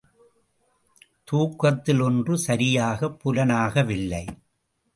தூக்கத்தில் ஒன்று சரியாக புலனாகவில்லை.